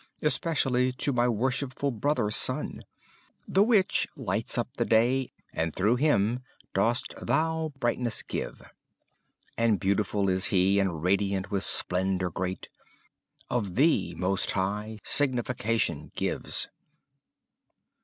Especially to my worshipful brother sun, The which lights up the day, and through him dost Thou brightness give; And beautiful is he and radiant with splendor great; Of Thee, Most High, signification gives.